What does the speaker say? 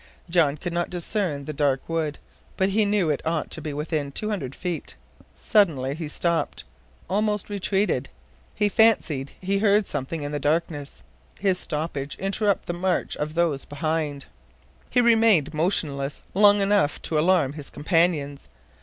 John could not discern the dark wood, but he knew it ought to be within two hundred feet. Suddenly he stopped; almost retreated. He fancied he heard something in the darkness; his stoppage interrupted the march of those behind. He remained motionless long enough to alarm his companions.